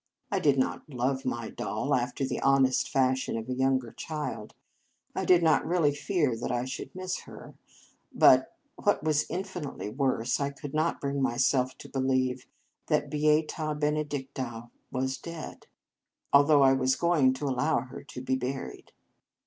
I did not love my doll after the honest fashion of a younger child. I did not really fear that I should miss her. But, what was in finitely worse, I could not bring my self to believe that Beata Benedicta was dead, although I was going to allow her to be buried.